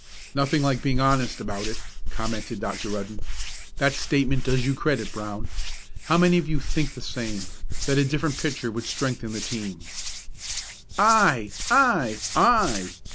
"Nothing like being honest about it," commented Dr. Rudden. "That statement does you credit, Brown. How many of you think the same that a different pitcher would strengthen the team?" "I! I! I!"